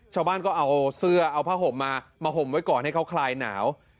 ชาวบ้านก็เอาเสื้อเอาผ้าห่มมามาห่มไว้ก่อนให้เขาคลายหนาว